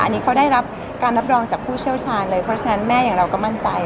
อันนี้เขาได้รับการรับรองจากผู้เชี่ยวชาญเลยเพราะฉะนั้นแม่อย่างเราก็มั่นใจ